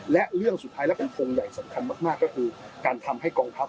และเรื่องสุดท้ายและเป็นทงใหญ่สำคัญมากก็คือการทำให้กองทัพ